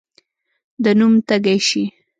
د نوم تږی شي.